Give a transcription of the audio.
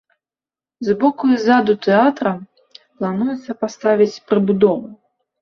Зборку і ззаду тэатра плануецца паставіць прыбудовы.